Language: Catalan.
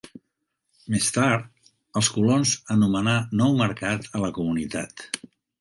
Més tard, els colons anomenar Nou Mercat a la comunitat.